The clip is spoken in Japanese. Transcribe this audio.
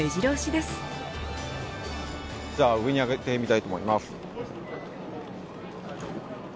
では上に上げてみたいと思います。